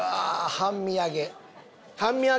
半身揚げな。